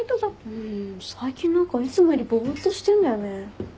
うん最近何かいつもよりぼーっとしてんだよね。